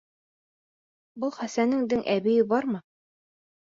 Был Хәсәнеңдең әбейе бармы?